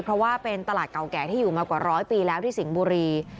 เพราะว่าเป็นตลาดเก่าแก่ที่อยู่มากว่าร้อยปีแล้วที่สิงห์บุรี